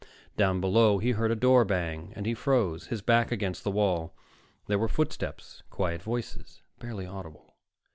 Down below he heard a door bang, and he froze, his back against the wall. There were footsteps, quiet voices, barely audible.